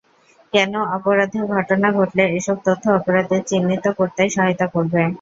কোনো অপরাধের ঘটনা ঘটলে এসব তথ্য অপরাধীদের চিহ্নিত করতে সহায়তা করবে।